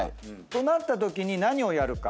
となったときに何をやるか。